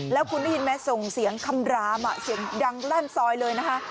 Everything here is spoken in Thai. แล้วคุณได้ยินไหมส่งเสียงคำรามเสียงดังลั่นซอยเลยนะคะ